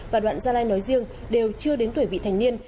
và đoạn gia lai nói riêng đều chưa đến tuổi vị thành niên